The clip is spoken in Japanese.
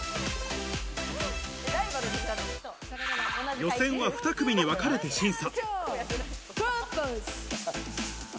予選は２組にわかれて審査。